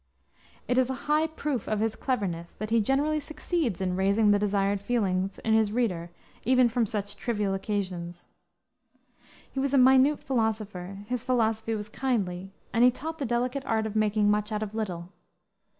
It is a high proof of his cleverness that he generally succeeds in raising the desired feeling in his readers even from such trivial occasions. He was a minute philosopher, his philosophy was kindly, and he taught the delicate art of making much out of little.